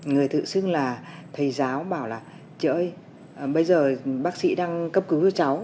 người tự xưng là thầy giáo bảo là ơi bây giờ bác sĩ đang cấp cứu cho cháu